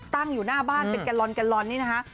ตั้งอยู่หน้าบ้านเป็นแกลลอนแกลลอนนี่นะคะ